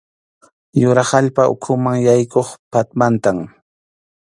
Yurap allpa ukhuman yaykuq phatmantam.